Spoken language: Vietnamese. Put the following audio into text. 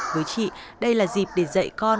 với chị đây là dịp để dạy con